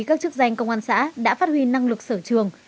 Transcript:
các chức danh công an xã đã phát huy năng lực sở trường